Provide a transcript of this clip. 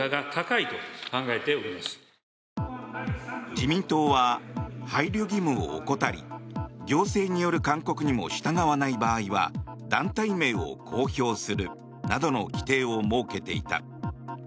自民党は配慮義務を怠り行政による勧告にも従わない場合は団体名を公表するなどの規定を設けていた。